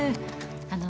あの